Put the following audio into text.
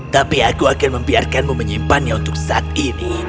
tapi aku akan membiarkanmu menyimpannya untuk saat ini